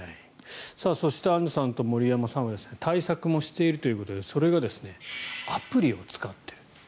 そしてアンジュさんと森山さんは対策もしているということでそれがアプリを使っていると。